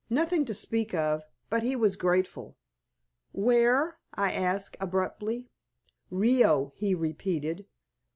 Nothing to speak of, but he was grateful." "Where?" I asked, abruptly. "Rio," he repeated.